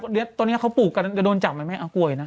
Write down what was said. สรุปตอนนี้เขาปลูกกันจะโดนจับไหมแม่กลัวไอ้นะ